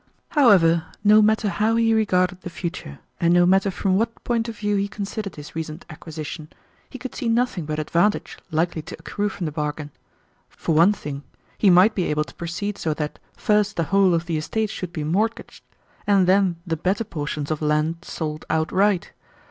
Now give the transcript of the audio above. However, no matter how he regarded the future, and no matter from what point of view he considered his recent acquisition, he could see nothing but advantage likely to accrue from the bargain. For one thing, he might be able to proceed so that, first the whole of the estate should be mortgaged, and then the better portions of land sold outright.